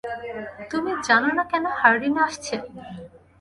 তুমি জানো না কেন হার্ডিন আসছে?